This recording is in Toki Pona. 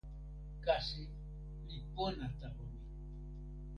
kasi li pona tawa mi.